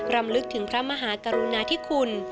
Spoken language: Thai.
รำลึกถึงพระมหากรุณาธิคุณ